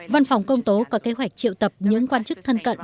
văn phòng công tố có kế hoạch triệu tập những quan chức thân cận